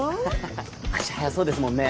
足速そうですもんね。